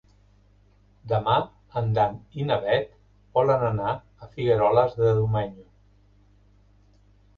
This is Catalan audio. Demà en Dan i na Bet volen anar a Figueroles de Domenyo.